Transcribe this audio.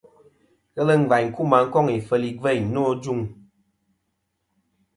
Ghelɨ ngvaynkuma koŋ ifel igveyn no.